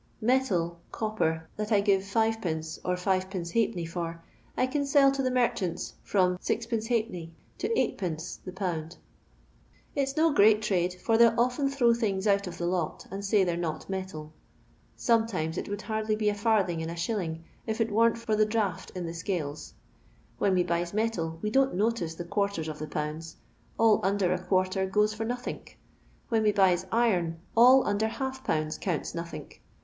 " Metal (copper) that I give 5c/. or 5\d. for, I can sell to the merchants from {j^d. to Sd. the pound. It's no great trade, for they'll often throw things out of the lot and Fay they 're not meUil. Sometimes, it would hardly be a farthing in a shilling, if it waf n't for the draught in the scales. When we buys metal, we don't notice the quarters of the pounds ; all undtT a quarter goes for nothink. When we buys iron, all under half pounds counts nothink.